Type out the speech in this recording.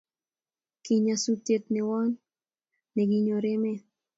kinyasutiet newon ne kinyor emet